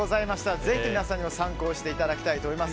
ぜひ皆さんにも参考にしていただきたいと思います。